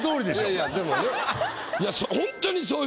いやいやでもね。